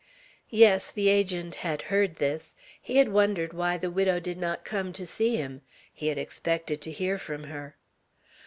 Yes, the Agent had heard this; he had wondered why the widow did not come to see him; he had expected to hear from her.